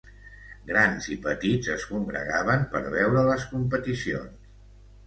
Grans i petits es congregaven per veure les competicions.